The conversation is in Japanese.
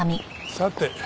さて。